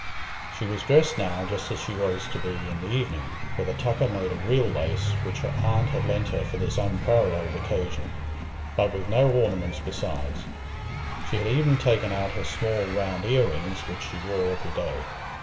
She was dressed now just as she was to be in the evening, with a tucker made of "real" lace, which her aunt had lent her for this unparalleled occasion, but with no ornaments besides; she had even taken out her small round ear rings which she wore every day.